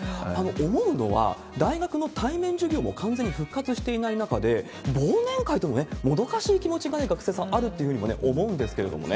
思うのは、大学の対面授業も完全に復活していない中で、忘年会というのももどかしい気持ちが、学生さんあるというふうに思うんですけれどもね。